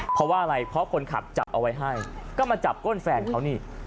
เพราะว่าอะไรเพราะคนขับจับเอาไว้ให้ก็มาจับก้นแฟนเขานี่